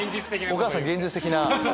お母さん現実的な。